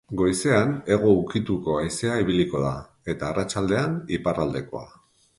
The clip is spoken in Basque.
Goizean hego ukituko haizea ibiliko da eta arratsaldean iparraldekoa.